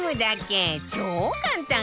超簡単！